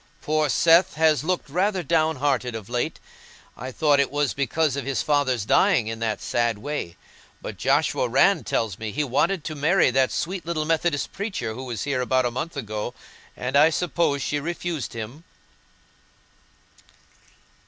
Poor Seth has looked rather down hearted of late; I thought it was because of his father's dying in that sad way, but Joshua Rann tells me he wanted to marry that sweet little Methodist preacher who was here about a month ago, and I suppose she refused him."